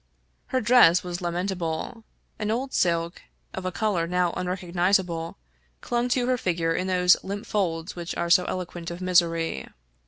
Her dress was lamentable. An old silk, of a color now unrecognizable, clung to her figure in those limp folds which are so eloquent of misery.